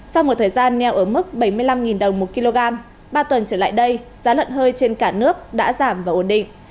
sau một thời gian neo ở mức bảy mươi năm đồng một kg ba tuần trở lại đây giá lợn hơi trên cả nước đã giảm và ổn định